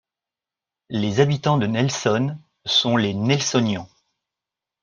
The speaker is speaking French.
Les habitants de Nelson sont les Nelsonians.